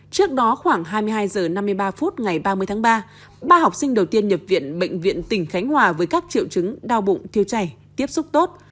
trước đó khoảng hai mươi hai h năm mươi ba phút ngày ba mươi tháng ba ba học sinh đầu tiên nhập viện bệnh viện tỉnh khánh hòa với các triệu chứng đau bụng thiêu chảy tiếp xúc tốt